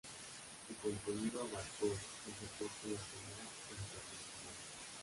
Su contenido abarcó el deporte nacional e internacional.